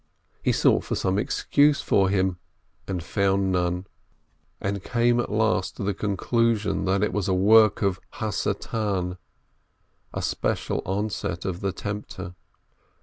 He sought for some excuse for him, and found none, and came at last to the con clusion that it was a work of Satan, a special onset of the Tempter.